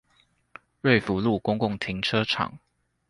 瑞福路公共停車場